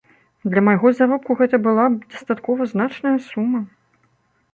Для майго заробку гэта была б дастаткова значная сума.